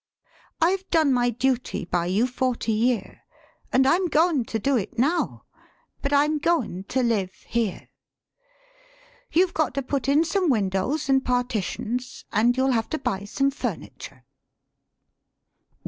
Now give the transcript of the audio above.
I've done my duty by you forty year, an' I'm goin' to do it now; but I'm goin' to live here. You've got to put in some windows and partitions; an' you'll have to buy some furniture."